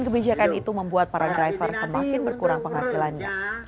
kebijakan itu membuat para driver semakin berkurang penghasilannya